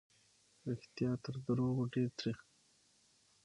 رښتيا تر دروغو ډېر تريخ وي.